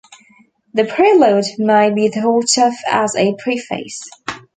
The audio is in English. The prelude may be thought of as a preface.